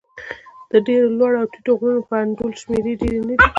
د ډېرو لوړو او ټیټو غرونو په انډول شمېرې ډېرې نه دي.